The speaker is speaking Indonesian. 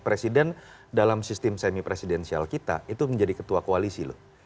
presiden dalam sistem semi presidensial kita itu menjadi ketua koalisi loh